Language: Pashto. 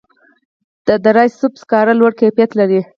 د دره صوف سکاره لوړ کیفیت لري